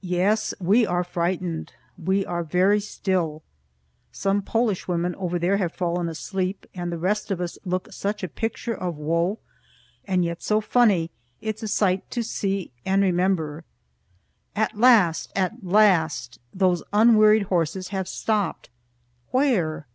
Yes, we are frightened. We are very still. Some Polish women over there have fallen asleep, and the rest of us look such a picture of woe, and yet so funny, it is a sight to see and remember. At last, at last! Those unwearied horses have stopped. Where?